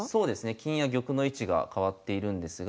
金や玉の位置が変わっているんですが。